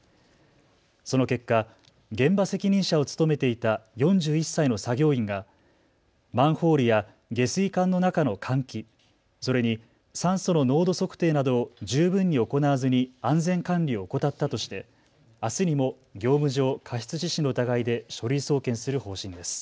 その結果、現場責任者を務めていた４１歳の作業員がマンホールや下水管の中の換気、それに酸素の濃度測定などを十分に行わずに安全管理を怠ったとしてあすにも業務上過失致死の疑いで書類送検する方針です。